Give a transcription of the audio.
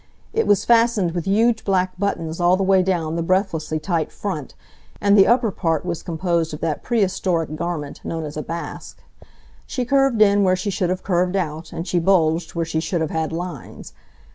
It was fastened with huge black buttons all the way down the breathlessly tight front, and the upper part was composed of that pre historic garment known as a basque. She curved in where she should have curved out, and she bulged where she should have had "lines."